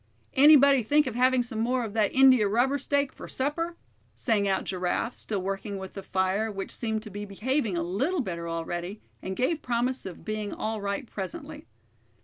"Anybody think of having some more of that india rubber steak for supper?" sang out Giraffe, still working with the fire, which seemed to be behaving a little better already, and gave promise of being all right presently.